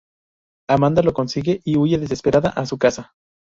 Amanda lo consigue y huye desesperada a su casa.